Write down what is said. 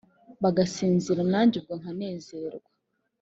Bagasinzira nanjye ubwo nkanezerwa